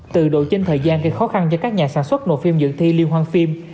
từ độ trên thời gian thì khó khăn cho các nhà sản xuất nộp phim dựng thi liên hoan phim